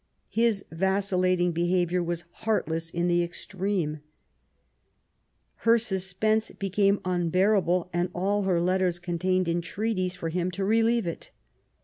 His vacillating behaviour was heartless in the extreme. Her suspense became unbearable, and all her letters contained entreaties for him to relieve it.